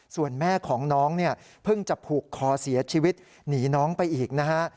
ส่วนแม่ของน้องเนี่ยเพิ่งจะผูกคอเสียชีวิตหนีน้องไปอีกนะฮะ